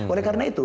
oleh karena itu